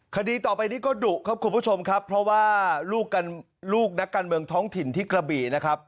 คดีต่อไปนี้ก็ดุครับคุณผู้ชมครับเพราะว่าลูกนักการเมืองท้องถิ่นที่กระบี่นะครับ